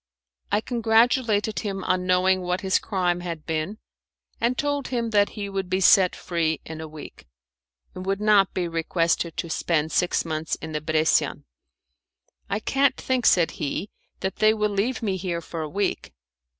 I congratulated him on knowing what his crime had been, and told him that he would be set free in a week, and would be requested to spend six months in the Bressian. "I can't think," said he, "that they will leave me here for a week."